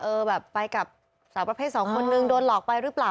แบบไปกับสาวประเภทสองคนนึงโดนหลอกไปหรือเปล่า